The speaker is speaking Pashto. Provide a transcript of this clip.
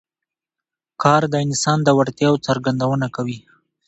کار د انسان د وړتیاوو څرګندونه کوي